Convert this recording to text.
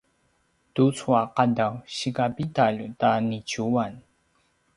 tucu a qadaw sika pidalj ta niciuan?